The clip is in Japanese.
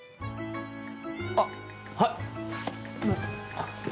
あっはい！